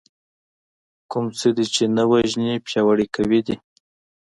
کوم څه دې چې نه وژنې پياوړي کوي دی .